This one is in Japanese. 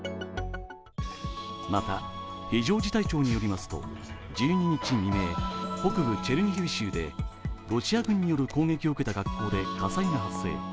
また、非常事態庁によりますと、１２日未明北部チェルニヒウ州でロシア軍による攻撃を受けた学校で火災が発生。